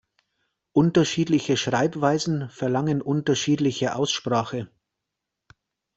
Unterschiedliche Schreibweisen verlangen unterschiedliche Aussprache.